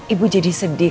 ibu jadi sedih